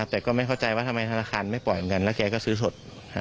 แต่ก็ไม่เข้าใจว่าทำไมธนาคารไม่ปล่อยเหมือนกันแล้วแกก็ซื้อสด